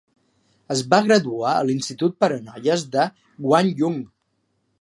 Es va graduar a l'institut per a noies de Gwangyoung.